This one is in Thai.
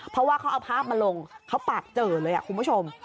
มาลงเขาปากเจอเลยคุณผู้ชม